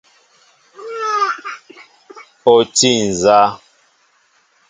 O tí na nzá ?